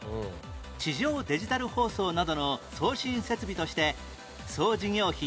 地上デジタル放送などの送信設備として総事業費